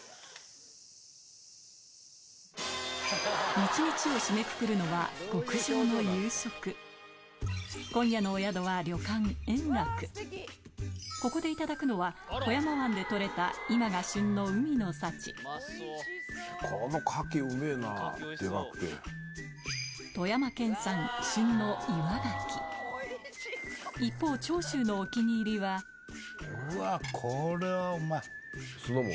一日を締めくくるのは極上の夕食今夜のお宿はここでいただくのは富山湾でとれた今が旬の海の幸旬の一方長州のお気に入りは酢の物？